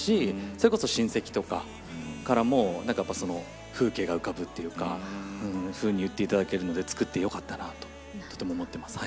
それこそ親戚とかからもなんかやっぱりその風景が浮かぶっていうかふうに言って頂けるので作ってよかったなととても思ってます。